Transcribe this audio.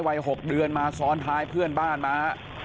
วัย๖เดือนมาซ้อนท้ายเพื่อนบ้านมา